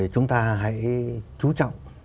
chúng ta hãy chú trọng